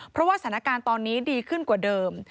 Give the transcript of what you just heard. เพราะว่าสถานการณ์ตอนนี้ดีขึ้นกว่าเดิม